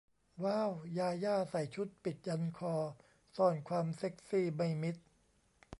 ว้าว ญาญ่า ใส่ชุดปิดยันคอ ซ่อนความเซ็กซี่ไม่มิด